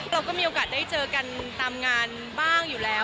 เราก็มีโอกาสได้เจอกันตามงานบ้างอยู่แล้ว